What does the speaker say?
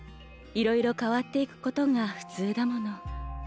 いろいろ変わっていくことが普通だもの。